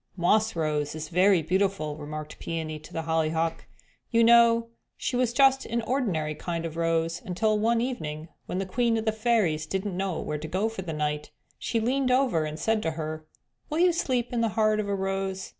"Moss Rose is very beautiful," remarked Peony to the Hollyhock; "you know she was just an ordinary kind of a rose until one evening, when the Queen of the Fairies didn't know just where to go for the night, she leaned over and said to her, 'Will you sleep in the heart of a rose?'